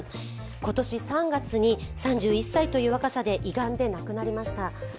今年３月に３１歳という若さで胃がんで亡くなりました。